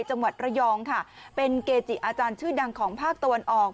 จังหวัดระยองค่ะเป็นเกจิอาจารย์ชื่อดังของภาคตะวันออก